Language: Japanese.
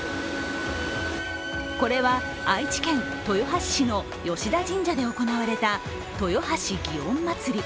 これは愛知県豊橋市の吉田神社で行われた豊橋祇園祭。